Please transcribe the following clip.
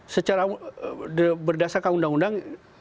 secara berdasarkan undang undang